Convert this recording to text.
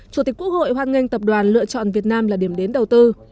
chủ tịch quốc hội hoan nghênh tập đoàn lựa chọn việt nam là điểm đến đầu tư